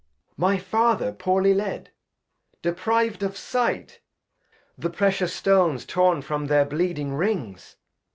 My Father poorly led! depriv'd of Sight! The precious Stones torn from their bleeding Rings